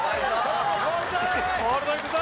コールドいくぞ！